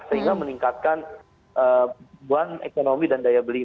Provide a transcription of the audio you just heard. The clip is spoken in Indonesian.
sehingga meningkatkan uang ekonomi dan daya belanja